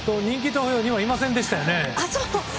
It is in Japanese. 人気投票にいませんでしたよね。